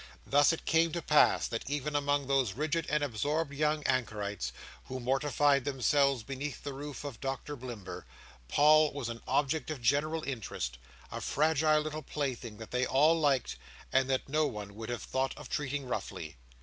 Thus it came to pass, that even among those rigid and absorbed young anchorites, who mortified themselves beneath the roof of Doctor Blimber, Paul was an object of general interest; a fragile little plaything that they all liked, and that no one would have thought of treating roughly.